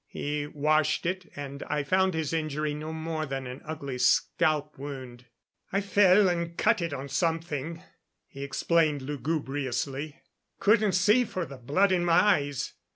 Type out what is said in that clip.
He washed it, and I found his injury no more than an ugly scalp wound. "I fell and cut it on something," he explained lugubriously. "Couldn't see for the blood in my eyes.